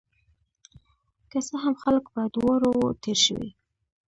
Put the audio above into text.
که څه هم، خلک په دواړو وو تیر شوي